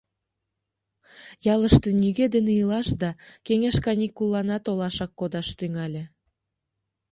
Ялыште нигӧ дене илаш да, кеҥеж каникулланат олашак кодаш тӱҥале.